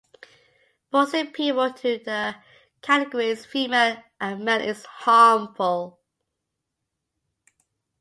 Forcing people into the categories female and male is harmful.